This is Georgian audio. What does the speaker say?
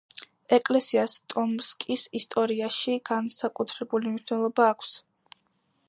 ეკლესიას ტომსკის ისტორიაში განსაკუთრებული მნიშვნელობა აქვს.